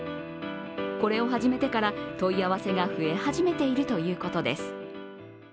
これを初めてから問い合わせが増え始めているということです。